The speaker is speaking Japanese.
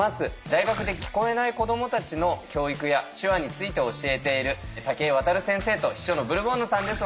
大学で聞こえない子どもたちの教育や手話について教えている武居渡先生と秘書のブルボンヌさんです。